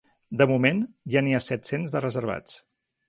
De moment, ja n’hi ha set-cents de reservats.